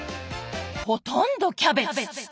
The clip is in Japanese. ほとんどキャベツ！